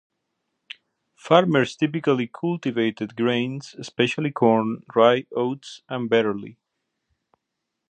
Farmers typically cultivated grains, especially corn, rye, oats, and barley.